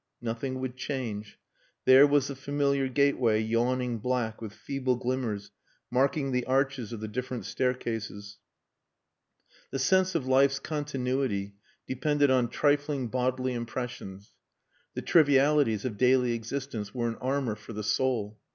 Nothing would change. There was the familiar gateway yawning black with feeble glimmers marking the arches of the different staircases. The sense of life's continuity depended on trifling bodily impressions. The trivialities of daily existence were an armour for the soul.